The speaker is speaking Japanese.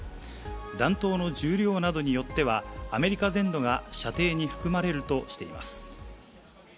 弾頭の重量などによっては、アメリカ全土が射程に含まれるとしています。